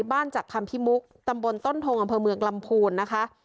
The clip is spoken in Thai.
จากคำพิมุกตำบลต้นทงอำเภอเมืองลำพูนนะคะ